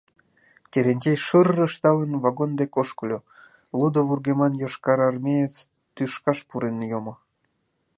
Терентей, шыр-р ышталын, вагон дек ошкыльо, лудо вургеман йошкарармеец тӱшкаш пурен йомо.